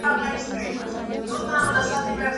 د ملکیت حق باید تر پښو لاندې نه سي.